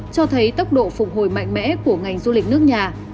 cho thấy tốc độ phục hồi mạnh